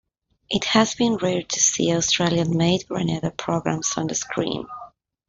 It has been rare to see Australian-made Granada programs on the screen.